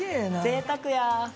ぜいたくや！